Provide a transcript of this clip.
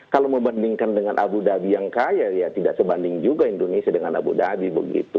kalau membandingkan dengan abu dhabi yang kaya ya tidak sebanding juga indonesia dengan abu dhabi begitu